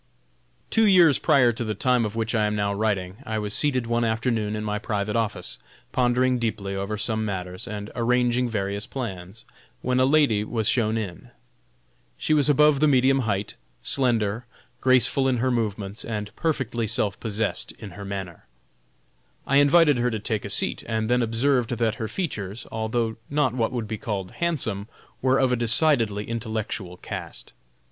Two years prior to the time of which I am now writing, I was seated one afternoon in my private office, pondering deeply over some matters, and arranging various plans, when a lady was shown in. She was above the medium height, slender, graceful in her movements, and perfectly self possessed in her manner. I invited her to take a seat, and then observed that her features, although not what would be called handsome, were of a decidedly intellectual cast.